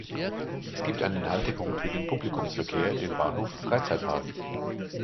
Es gibt einen Haltepunkt für den Publikumsverkehr, den Bahnhof „Freizeitpark“.